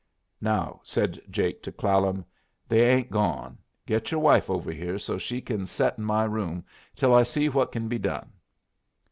"Now," said Jake to Clallam, "they ain't gone. Get your wife over here so she kin set in my room till I see what kin be done."